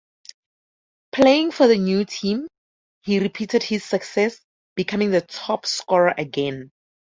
Playing for the new team, he repeated his success, becoming the top scorer again.